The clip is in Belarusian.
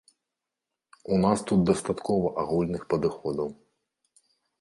У нас тут дастаткова агульных падыходаў.